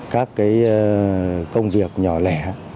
các công việc nhỏ lẻ